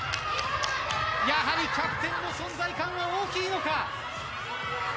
やはり、キャプテンの存在感は大きいのか。